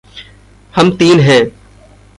हम तीन हैं।